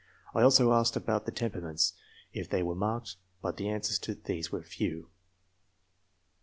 I also asked about the temperaments, if they were marked, but the answers to these were few.